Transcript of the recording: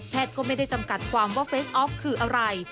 ก็ไม่ได้จำกัดความว่าเฟสออฟคืออะไร